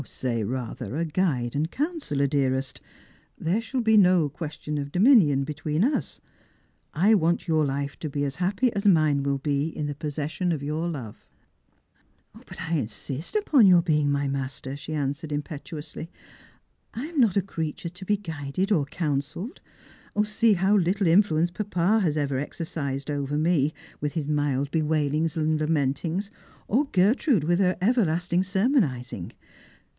" Say, rather, a guide and counsellor, dearest. There shall be no question of dominion between us. I want your life to be as happy as min^ will be in the pospeL«sion of your love." "But I insist upon your being my master!" she answered impetuously. " I am not a creature to be guided or counselled ; Bee how little inflt'ence papa has ever exercised over me with his mild bewailings and lamentings, or Gertrude with her everlast ing sermonising.